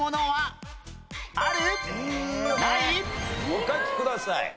お書きください。